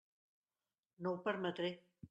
No ho permetré.